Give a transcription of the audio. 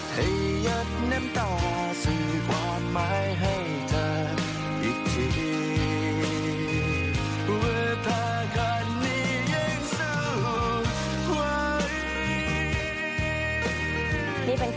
ให้ยัดเหน้มตาซีกว้ามหมายให้เธอ